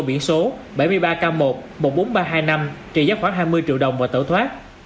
biển số bảy mươi ba k một một mươi bốn nghìn ba trăm hai mươi năm trị giá khoảng hai mươi triệu đồng và tẩu thoát